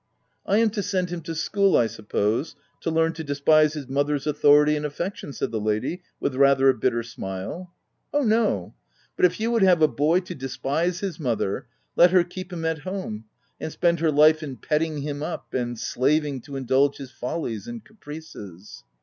u I am to send him to school, I suppose, to learn to despise his mother's authority and affection !" said the lady, with a rather bitter smile. u Oh, no !— But if you would have a boy to despise his mother, let her keep him at home, and spend her life in petting him up, and slav ing to indulge his follies and caprices.